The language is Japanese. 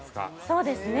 ◆そうですね。